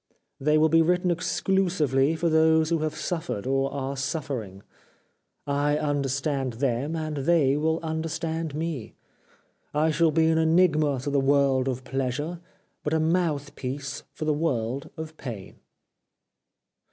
They will be written exclusively for those who have suffered or are suffering. I understand them, and they will understand me. I shall be an enigma to the world of Pleasure, but a mouth piece for the world of Pain."